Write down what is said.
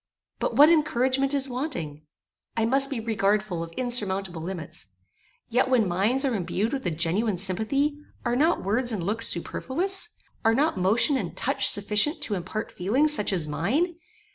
But what encouragement is wanting? I must be regardful of insurmountable limits. Yet when minds are imbued with a genuine sympathy, are not words and looks superfluous? Are not motion and touch sufficient to impart feelings such as mine?